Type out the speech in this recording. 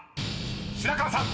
［白河さん］